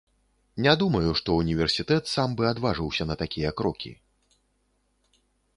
Не думаю, што ўніверсітэт сам бы адважыўся на такія крокі.